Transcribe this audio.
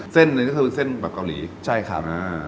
เส้นเนี่ยคือเส้นแบบกาารีใช่ค่ะ